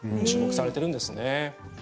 注目されているんですね。